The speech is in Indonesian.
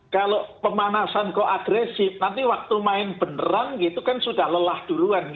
kalau pemanasan kok agresif nanti waktu main beneran gitu kan sudah lelah duluan